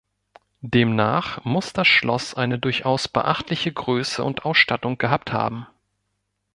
Demnach muss das Schloss eine durchaus beachtliche Größe und Ausstattung gehabt haben.